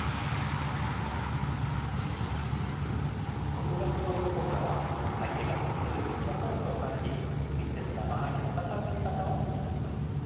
６月の囲碁講座は相手が発する石のフォースを感じ適切な間合いで戦う打ち方を学びます。